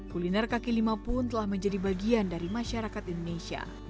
kuliner kaki lima pun telah menjadi bagian dari masyarakat indonesia